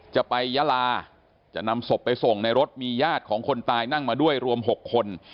จะไปยาลาจะนำศพไปส่งในรถมีญาติของคนตายนั่งมาด้วยรวม๖คน